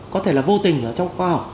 có thể là vô tình ở trong khoa học